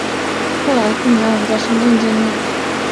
后来父女二人在深圳见面。